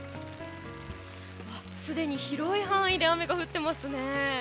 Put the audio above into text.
すでに広い範囲で雨が降っていますね。